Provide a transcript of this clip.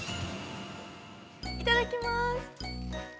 いただきます。